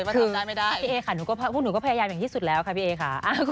พี่เอค่ะพวกหนูก็พยายามอย่างที่สุดแล้วค่ะ